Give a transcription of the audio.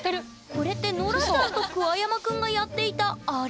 これってノラさんと桑山くんがやっていたあれ？